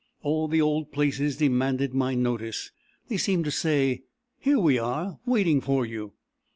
All the old places demanded my notice. They seemed to say, "Here we are waiting for you."